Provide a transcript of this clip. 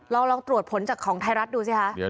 ลองตรวจผลจากของไทยรัฐดูสิคะ